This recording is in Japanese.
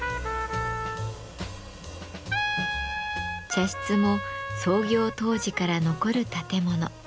茶室も創業当時から残る建物。